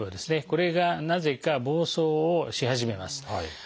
これがなぜか暴走をし始めます。